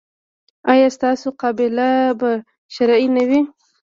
ایا ستاسو قباله به شرعي نه وي؟